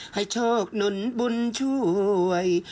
ให้โชคหนุนบุญช่วย